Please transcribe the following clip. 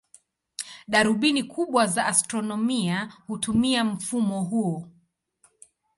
Darubini kubwa za astronomia hutumia mfumo huo.